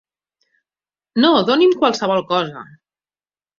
No, doni'm qualsevol cosa.